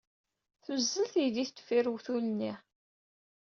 Tuzzel teydit deffir uwtul-nni.